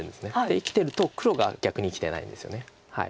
生きてると黒が逆に生きてないんですよね。